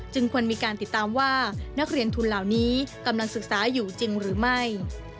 ควรมีการติดตามว่านักเรียนทุนเหล่านี้กำลังศึกษาอยู่จริงหรือไม่